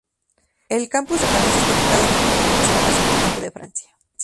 El Campus de París, esta ubicado en la zona financiera más importante de Francia.